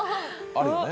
あるよね。